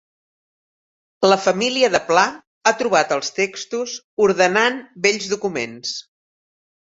La família de Pla ha trobat els textos ordenant vells documents